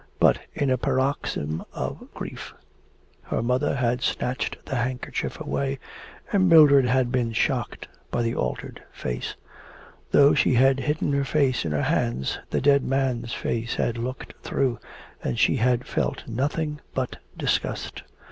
But, in a paroxysm of grief, her mother had snatched the handkerchief away, and Mildred had been shocked by the altered face. Though she had hidden her face in her hands, the dead man's face had looked through, and she had felt nothing but disgust.